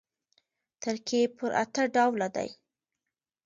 ترکیب پر اته ډوله دئ.